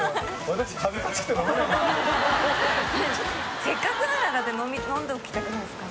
私せっかくなら飲んでおきたくないですか？